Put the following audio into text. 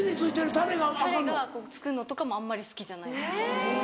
タレが付くのとかもあんまり好きじゃない。